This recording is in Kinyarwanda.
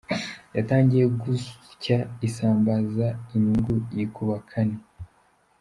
Yatangiye gusya isambaza inyungu yikuba kane.